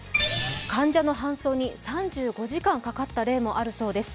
患者の搬送に３５時間かかった例もあるそうです。